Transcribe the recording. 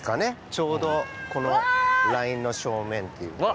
ちょうどこのラインの正面っていうと。